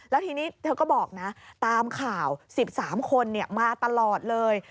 แล้วทีนี้เธอก็บอกนะตามข่าว๑๓คนมาตลอดเลย